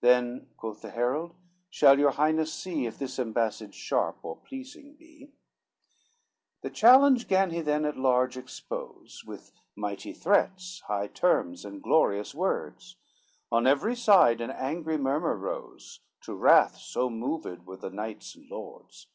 "Then," quoth the herald, "shall your highness see, If this ambassage sharp or pleasing be." XVIII The challenge gan he then at large expose, With mighty threats, high terms and glorious words; On every side an angry murmur rose, To wrath so moved were the knights and lords.